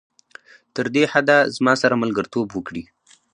تر دې حده زما سره ملګرتوب وکړي.